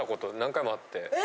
え！